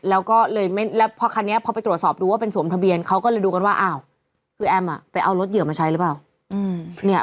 แล้วก็เลยไม่แล้วพอคันนี้พอไปตรวจสอบดูว่าเป็นสวมทะเบียนเขาก็เลยดูกันว่าอ้าวคือแอมไปเอารถเหยื่อมาใช้หรือเปล่า